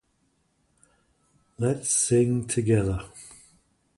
Let's sing together.